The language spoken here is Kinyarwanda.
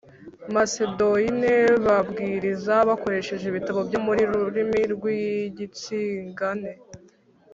Macedoine babwiriza bakoresheje ibitabo byo mu rurimi rw igitsigane